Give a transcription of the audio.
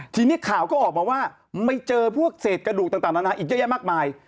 ทีนี้ข่าวก็ออกมาว่าไม่เจอพวกเศษกระดูกต่างนานาอีกเยอะแยะมากมาย